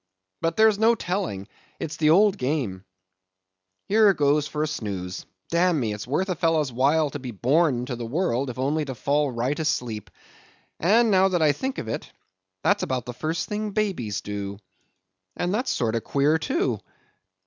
But there's no telling, it's the old game—Here goes for a snooze. Damn me, it's worth a fellow's while to be born into the world, if only to fall right asleep. And now that I think of it, that's about the first thing babies do, and that's a sort of queer, too.